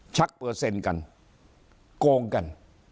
ชักเปอร์เซ็นต์กันโกงกัน